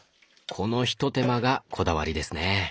このひと手間がこだわりですね。